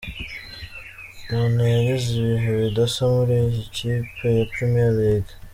Mane yagize ibihe bidasa muri iyi kipe ya Premier League.